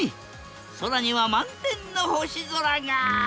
空には満天の星空が！